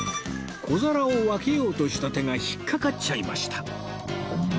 小皿を分けようとした手が引っかかっちゃいました